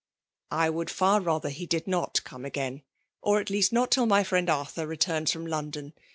^'" I would fer rather he did Tiot come again/ or at least not tiil my friend Arthur returns flpotn London.